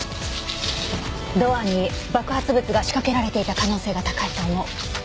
ドアに爆発物が仕掛けられていた可能性が高いと思う。